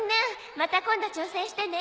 また今度挑戦してね。